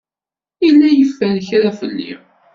Yella yeffer kra fell-i.